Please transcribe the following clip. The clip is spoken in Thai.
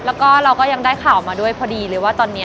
แล้วก็เราก็ยังได้ข่าวมาด้วยพอดีเลยว่าตอนนี้